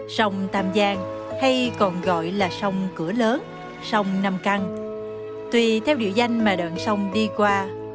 sông tam giang hay còn gọi là sông cửa lớn sông nam căng tùy theo điệu danh mà đoạn sông đi qua